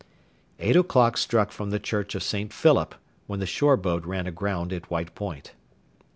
Eight o'clock struck from the church of St. Philip when the shore boat ran aground at White Point.